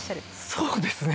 そうですね。